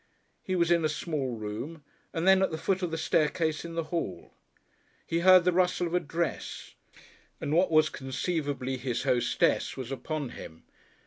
He was in a small room, and then at the foot of the staircase in the hall. He heard the rustle of a dress, and what was conceivable his hostess was upon him.